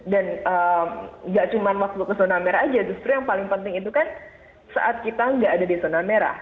dan nggak cuma masuk ke zona merah aja justru yang paling penting itu kan saat kita nggak ada di zona merah